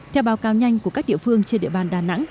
theo báo cáo nhanh của các địa phương trên địa bàn đà nẵng